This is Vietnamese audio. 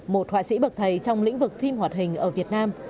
một họa sĩ bậc thầy trong lĩnh vực phim hoạt hình ở việt nam